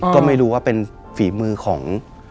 ก็ไม่รู้ว่าฝีมือของ